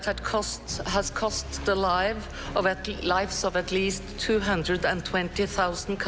ทั้งหมดความประหลาดของฮทุกคน